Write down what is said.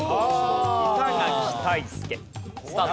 スタート！